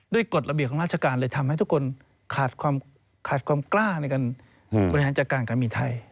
กฎระเบียบของราชการเลยทำให้ทุกคนขาดความกล้าในการบริหารจัดการการบินไทย